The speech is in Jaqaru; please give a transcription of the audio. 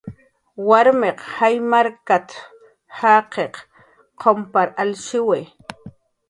"Warmiq jaymarkat"" jaqir qumpar alshiwi"